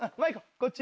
こっち。